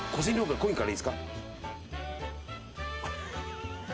コインからいいですか？